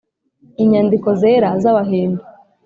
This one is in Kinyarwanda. inyandiko zera z’abahindu